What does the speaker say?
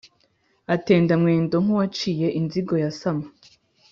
atenda mwendo nk’uwaciye inzigo ya sama.